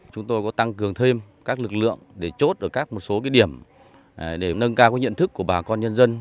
chúng tôi có tăng cường thêm các lực lượng để chốt ở các một số điểm để nâng cao nhận thức của bà con nhân dân